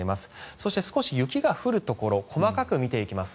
そして、少し雪が降るところ細かく見ていきます。